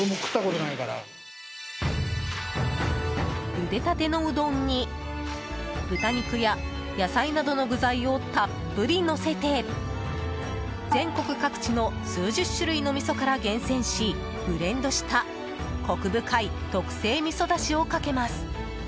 ゆでたてのうどんに豚肉や野菜などの具材をたっぷりのせて全国各地の数十種類のみそから厳選し、ブレンドしたコク深い特製みそだしをかけます。